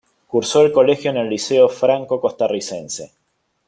Cursó el colegio en el Liceo Franco Costarricense.